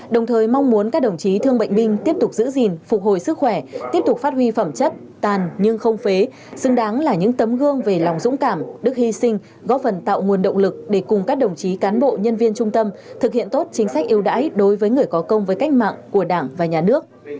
đồng thời mong muốn các đồng chí thương bệnh binh tiếp tục giữ gìn phục hồi sức khỏe tiếp tục phát huy phẩm chất tàn nhưng không phế xứng đáng là những tấm gương về lòng dũng cảm đức hy sinh góp phần tạo nguồn động lực để cùng các đồng chí cán bộ nhân viên trung tâm thực hiện tốt chính sách yêu đãi đối với người có công với cách mạng của đảng và nhà nước